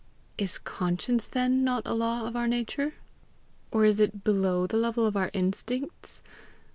"Is conscience then not a law of our nature? Or is it below the level of our instincts?